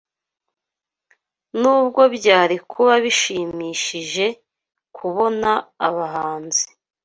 Nubwo byari kuba bishimishije kubona abahanzi